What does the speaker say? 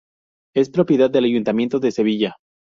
Es propiedad del Ayuntamiento de Sevilla.